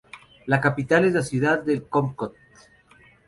La capital es la Ciudad de Kompot.